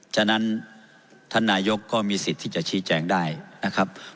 ฉะนั้นท่านนายกก็มีสิทธิ์ที่จะชี้แจงได้นะครับ